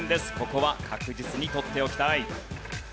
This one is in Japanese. ここは確実に取っておきたい。